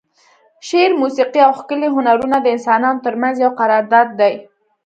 شعر، موسیقي او ښکلي هنرونه د انسانانو ترمنځ یو قرارداد دی.